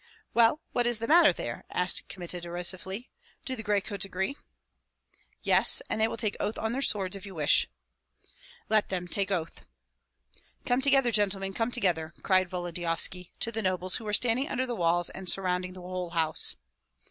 "Well, what is the matter there?" asked Kmita, derisively. "Do the gray coats agree?" "Yes, and they will take oath on their swords, if you wish." "Let them take oath." "Come together, gentlemen, come together!" cried Volodyovski to the nobles who were standing under the walls and surrounding the whole house.